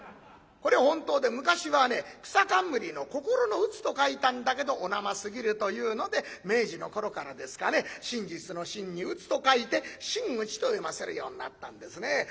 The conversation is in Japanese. これ本当で昔はねくさかんむりの心の打つと書いたんだけどお生すぎるというので明治の頃からですかね真実の真に打つと書いて「真打」と読ませるようになったんですね。